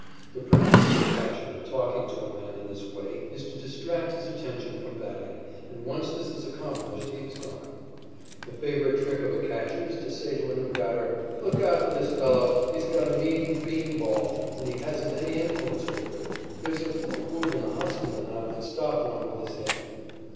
The purpose of a catcher in talking to a man in this way is to distract his attention from batting, and once this is accomplished he is gone. A favorite trick of a catcher is to say to a new batter: "Look out for this fellow. He's got a mean 'bean' ball, and he hasn't any influence over it. There's a poor 'boob' in the hospital now that stopped one with his head."